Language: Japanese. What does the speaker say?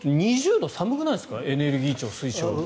２０度寒くないですかエネルギー庁推奨。